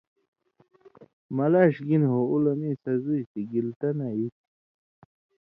”ملاݜیۡ گِنہۡ ہو اُو لہ مِیں سزُوئ تھی گِلتہ نہ ای تھی“